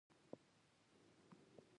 موږ د شرکت نوم لرو انډریو ډاټ باس